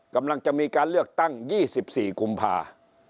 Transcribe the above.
กำลังจะมีการเลือกตั้ง๒๔กุมภา